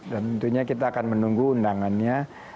dan tentunya kita akan menunggu undangannya